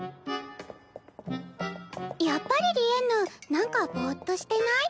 やっぱりリエンヌなんかぼうっとしてない？